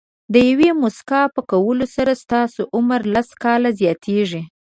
د یوې موسکا په کولو سره ستاسو عمر لس کاله زیاتېږي.